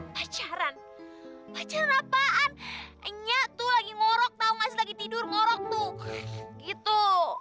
pacaran pacaran apaan nyah tuh lagi ngorok tau gak sih lagi tidur ngorok tuh gitu